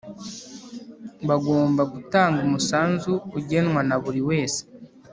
Bagomba gutanga umusanzu ugenwa naburi wese